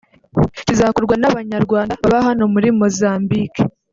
kizakorwa n’Abanyarwanda baba hano muri Mozambique